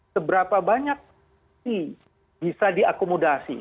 seberapa banyak sih bisa diakomodasi